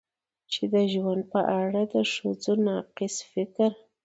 چې د ژوند په اړه د ښځو ناقص فکر